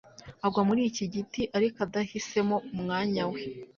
Agwa muri iki giti ariko adahisemo umwanya we